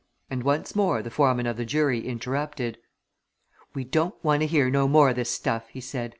And once more the foreman of the jury interrupted. "We don't want to hear no more o' this stuff!" he said.